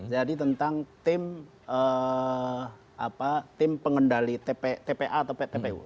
jadi tentang tim pengendali tpa atau ptpu